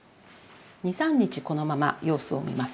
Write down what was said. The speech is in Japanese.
２３日このまま様子を見ます。